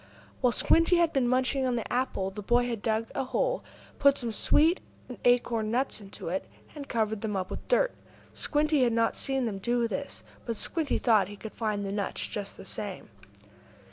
While Squinty had been munching on the apple, the boy had dug a hole, put some sweet acorn nuts into it, and covered them up with dirt. Squinty had not seen him do this, but Squinty thought he could find the nuts just the same.